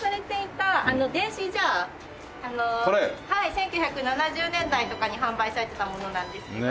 １９７０年代とかに販売されてたものなんですけど。